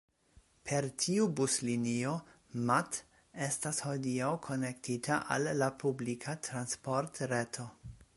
Per tiu buslinio Matt estas hodiaŭ konektita al la publika transportreto.